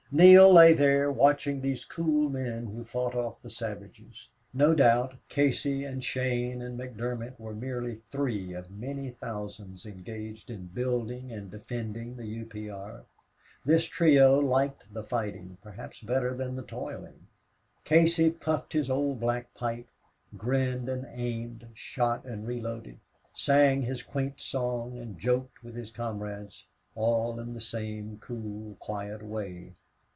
Neale lay there, watching these cool men who fought off the savages. No doubt Casey and Shane and McDermott were merely three of many thousands engaged in building and defending the U. P. R. This trio liked the fighting, perhaps better than the toiling. Casey puffed his old black pipe, grinned and aimed, shot and reloaded, sang his quaint song, and joked with his comrades, all in the same cool, quiet way.